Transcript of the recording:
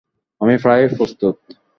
আমি প্রায় প্রস্তুত।